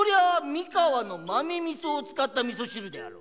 三河の豆味噌を使った味噌汁であろう。